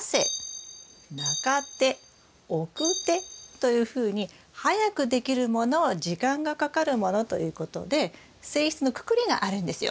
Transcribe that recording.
というふうに早くできるもの時間がかかるものということで性質のくくりがあるんですよ。